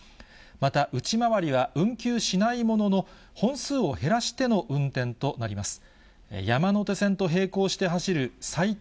また、内回りは運休しないものの、本数を減らしての運転となります。